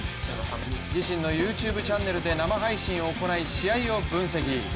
自身のユーチューブチャンネルで生配信を行い試合を分析。